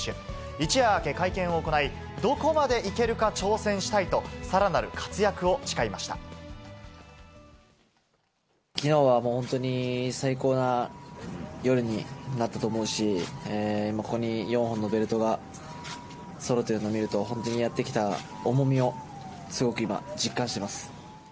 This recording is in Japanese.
一夜明け、会見を行い、どこまでいけるか挑戦したいと、さらなるきのうはもう本当に、最高な夜になったと思うし、ここに４本のベルトがそろってるのを見ると、本当にやってきた重みをすごく今、実感してます。